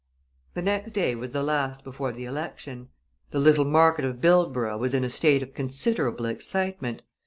The next day was the last before the election. The little market of Bildborough was in a state of considerable excitement.